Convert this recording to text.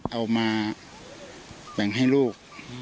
เอามาแบ่งให้ลูก